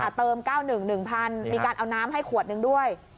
อ่ะเติมเก้าหนึ่งหนึ่งพันมีการเอาน้ำให้ขวดหนึ่งด้วย